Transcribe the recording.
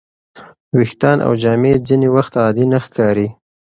ویښتان او جامې ځینې وخت عادي نه ښکاري.